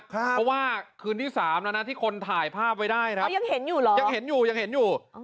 เพราะว่าคืนที่๓แล้วนะที่คนถ่ายภาพไว้ได้ครับเขายังเห็นอยู่เหรอยังเห็นอยู่ยังเห็นอยู่